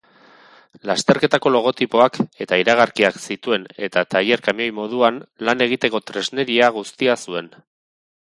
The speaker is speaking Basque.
Lasterketako logotipoak eta iragarkiak zituen eta tailer-kamioi moduan lan egiteko tresneria guztia zuen.